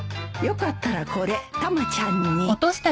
よかったらこれタマちゃんに。